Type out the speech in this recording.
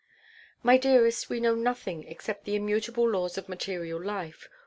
'My dearest, we know nothing except the immutable laws of material life.